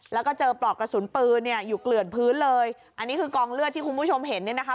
แล้วก็เจอปลอกกระสุนปืนเนี่ยอยู่เกลื่อนพื้นเลยอันนี้คือกองเลือดที่คุณผู้ชมเห็นเนี่ยนะคะ